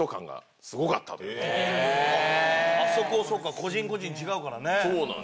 そっか個人個人違うからね。